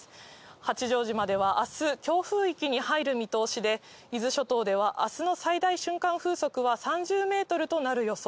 八丈島ではあす、強風域に入る見通しで、伊豆諸島ではあすの最大瞬間風速は３０メートルとなる予想。